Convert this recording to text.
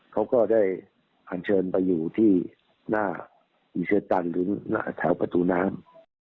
เขาก็ได้อันเชิญไปอยู่ที่หน้าอิเชอร์ตันหรือแถวประตูน้ำ